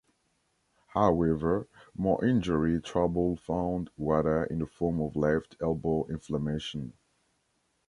However, more injury trouble found Wada in the form of left elbow inflammation.